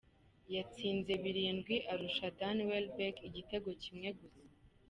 Yatsinze birindwi arusha Danny Welbeck igitego kimwe gusa.